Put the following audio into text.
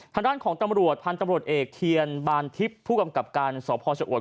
ทางด้านของตำรวจพันธุ์ตำรวจเอกเทียนบานทิพย์ผู้กำกับการสพชะอวด